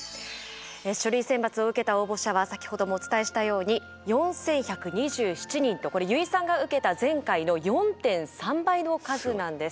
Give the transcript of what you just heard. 書類選抜を受けた応募者は先ほどもお伝えしたように４，１２７人とこれ油井さんが受けた前回の４．３倍の数なんです。